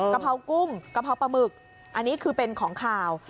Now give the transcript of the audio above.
กะเพรากุ้งกะเพราปลาหมึกอันนี้คือเป็นของขาว